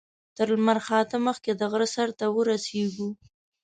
تر لمر خاته مخکې د غره سر ته ورسېږو.